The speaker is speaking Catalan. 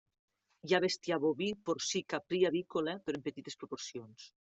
Hi ha bestiar boví, porcí, caprí i avícola, però en petites proporcions.